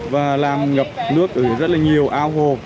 và làm ngập nước ở rất là nhiều ao hồ